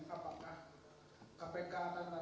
apakah kpk akan taruh atm